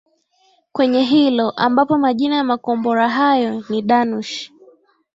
kwenye hilo ambapo majina ya makombora hayo ni danush